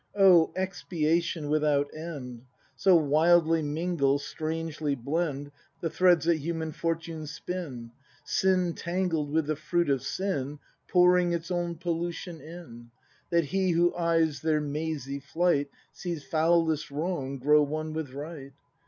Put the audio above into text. ] O expiation without end !— So wildly mingle, strangely blend The threads that human fortune spin, — Sin tangled with the fruit of sin. Pouring its own pollution in, — That he who eyes their mazy flight Sees foulest Wrong grow one with Right.